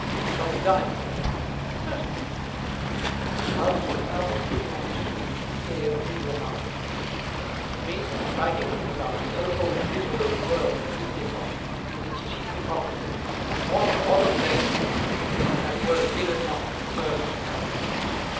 "Shall we dine together?" "Certainly." And while Durtal was putting on his shoes, Des Hermies remarked, "To me the striking thing about the so called literary world of this epoch is its cheap hypocrisy. What a lot of laziness, for instance, that word dilettante has served to cover."